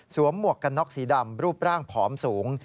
หมวกกันน็อกสีดำรูปร่างผอมสูง